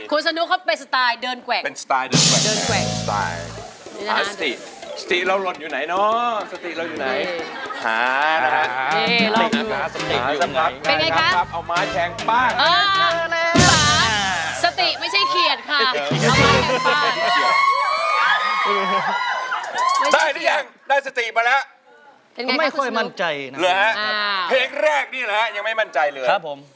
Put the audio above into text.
เพลงแรกนี่ล่ะอ่ายังไม่มั่นใจเลย